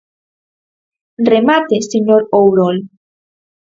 Remate, señor Ourol.